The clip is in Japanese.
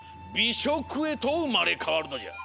しょくへとうまれかわるのじゃ。